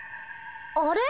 あれ？